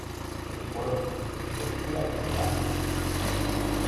Rigoroso, lectura literal.